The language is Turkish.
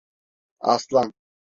Aslan…